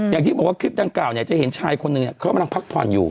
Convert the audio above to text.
อย่างที่บอกว่าคลิปด้านกล่าวเนี่ยจะเห็นชายคนนึงเนี่ยเขามันต้องพักผ่อนอยู่